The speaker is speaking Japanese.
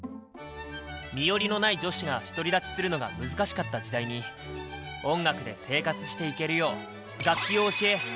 身寄りのない女子が独り立ちするのが難しかった時代に音楽で生活していけるよう楽器を教えグループを結成したんだ。